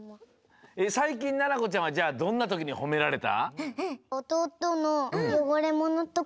さいきんななこちゃんはじゃあどんなときにほめられた？